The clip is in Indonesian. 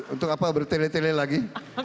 untuk apa bertele tele lagi